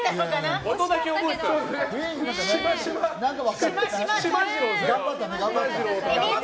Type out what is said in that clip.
音だけ覚えてたんだ。